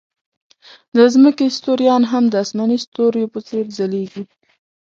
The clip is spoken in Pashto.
د ځمکې ستوریان هم د آسماني ستوریو په څېر ځلېږي.